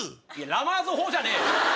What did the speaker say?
ラマーズ法じゃねえよ！